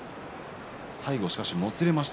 最後しかしもつれました。